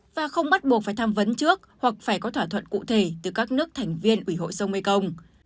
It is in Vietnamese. và không bắt buộc phải tham vấn trước hoặc phải có thỏa thuận cụ thể từ các nước thành viên ủy hội sông mekong